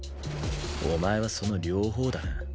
お前はその両方だな。